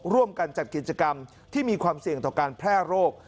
ร่วมกันจัดกิจกรรมที่มีความเสี่ยงต่อการแพร่โรค